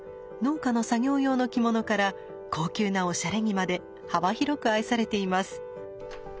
農家の作業用の着物から高級なおしゃれ着まで幅広く愛されています。